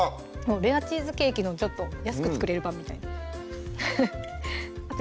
レアチーズケーキのちょっと安く作れる版みたいなあと